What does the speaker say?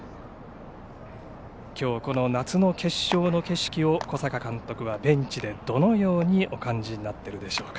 きょう、夏の決勝の景色を小坂監督はベンチでどのようにお感じになっているでしょうか。